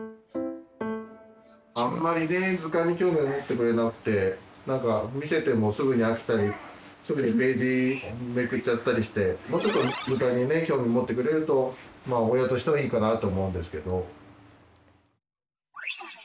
あんまりね図鑑に興味をもってくれなくて見せてもすぐに飽きたりすぐにページめくっちゃったりしてもうちょっと図鑑に興味もってくれると親としてはいいかなと思うんですけど。